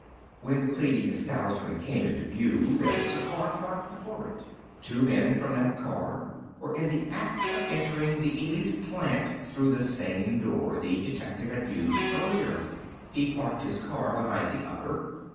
When the cleaning establishment came into view, there was a car parked before it. Two men from that car were in the act of entering the Elite plant through the same door the detective had used earlier. He parked his car behind the other.